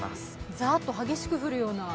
ザッと激しく降るような？